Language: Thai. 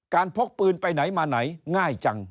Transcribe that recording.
พกปืนไปไหนมาไหนง่ายจัง